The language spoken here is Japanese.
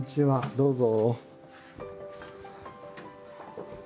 どうぞ。